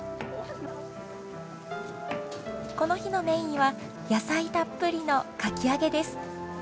この日のメインは野菜たっぷりのかき揚げです。